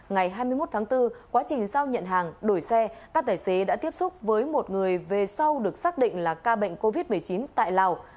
ngày hai mươi một tháng bốn quá trình giao nhận hàng đổi xe các tài xế đã tiếp xúc với một người về sau được xác định là ca bệnh covid một mươi chín tại lào